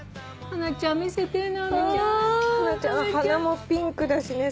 ハナちゃん鼻もピンクだしね